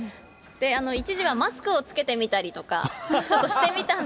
一時はマスクを着けてみたりとか、ちょっとしてみたりしたん